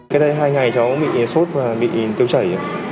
kể từ hai ngày cháu bị sốt và bị tiêu chảy